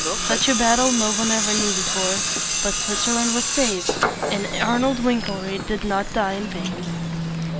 Such a battle no one ever knew before. But Switzerland was saved, and Arnold Wink el ried did not die in vain.